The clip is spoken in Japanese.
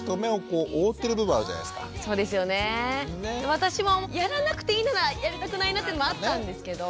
私もやらなくていいならやりたくないなっていうのもあったんですけど。